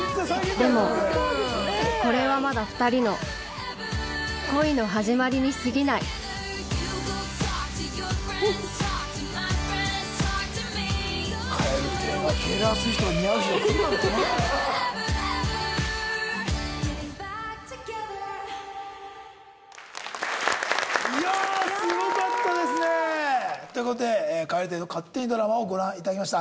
でもこれはまだ２人の恋のはじまりに過ぎないいやすごかったですね！という事で蛙亭の勝手にドラマをご覧いただきました。